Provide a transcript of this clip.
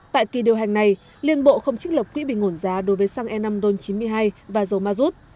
tại kỳ điều hành này liên bộ không trích lập quỹ bị ngổn giá đối với xăng e năm rôn chín mươi hai và dầu ma rút